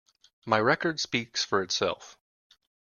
My record speaks for itself.